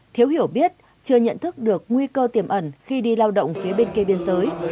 thiếu hiểu biết chưa nhận thức được nguy cơ tiềm ẩn khi đi lao động phía bên kia biên giới